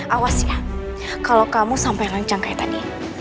awas ya kalau kamu sampai lancang kayak tadi